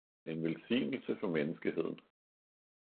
en velsignelse for menneskeheden!